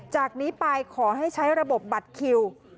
จากนี้ไปขอให้ใช้ระบบบัตรคิว